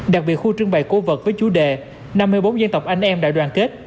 đặc biệt khu trưng bày cổ vật với chủ đề năm mươi bốn dân tộc anh em đại đoàn kết